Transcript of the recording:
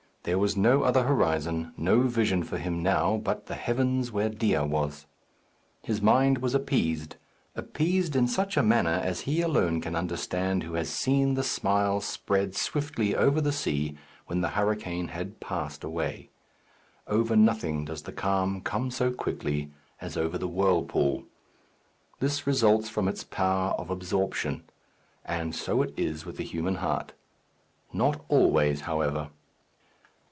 There was no other horizon, no vision for him now but the heavens where Dea was. His mind was appeased appeased in such a manner as he alone can understand who has seen the smile spread swiftly over the sea when the hurricane had passed away. Over nothing does the calm come so quickly as over the whirlpool. This results from its power of absorption. And so it is with the human heart. Not always, however.